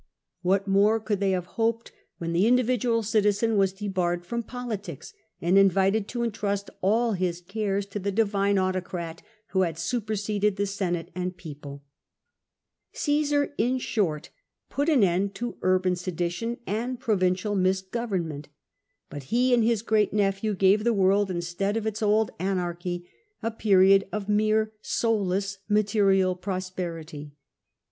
What more could they have hoped, when the individual citizen was debarred from politics, and invited to entrust all his cares to the divine autocrat who had superseded the Senate and People ? Cmsar, in short, put an end to urban sedition and provincial misgovernment. But he and liia great nephew gave the world, instead of its old anai'chy, a period of mere soulless material prosperity.